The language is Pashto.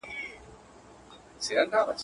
هره ټپه مي ځي میراته د لاهور تر کلي.